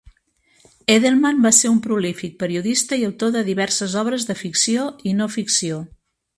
Edelman va ser un prolífic periodista i autor de diverses obres de ficció i no ficció.